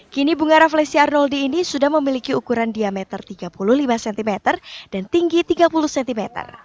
kini bunga refleksi arnoldi ini sudah memiliki ukuran diameter tiga puluh lima cm dan tinggi tiga puluh cm